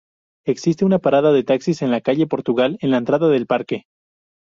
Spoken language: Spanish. Existe una parada de taxis en la calle Portugal, en la entrada del parque.